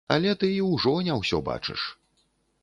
Але ты і ўжо не ўсё бачыш.